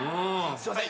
すいません。